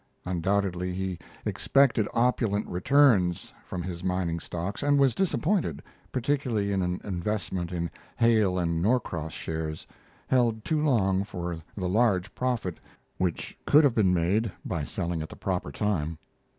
Undoubtedly he expected opulent returns from his mining stocks, and was disappointed, particularly in an investment in Hale and Norcross shares, held too long for the large profit which could have been made by selling at the proper time.